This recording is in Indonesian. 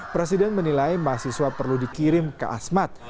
presiden menilai mahasiswa perlu dikirim ke asmat